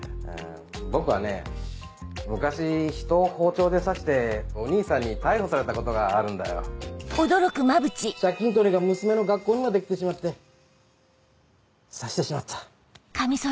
僕はね昔人を包丁で刺してお兄さんに逮捕されたことがあるんだよ。借金取りが娘の学校にまで来てしまって刺してしまった。